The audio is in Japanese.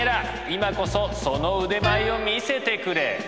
今こそその腕前を見せてくれ。